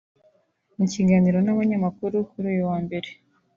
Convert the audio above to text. mu kiganiro n’abanyamakuru kuri uyu wa Mbere